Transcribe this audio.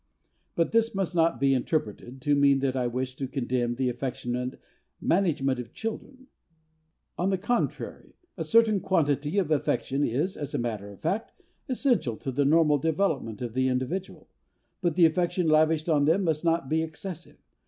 But this must not be interpreted to mean that I wish to condemn the affectionate management of children. On the contrary! A certain quantity of affection is, as a matter of fact, essential to the normal development of the individual. But the affection lavished on them must not be excessive.